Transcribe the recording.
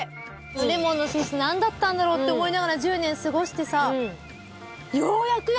レモンのスイーツ何だったんだろうって思いながら１０年過ごしてようやくよ。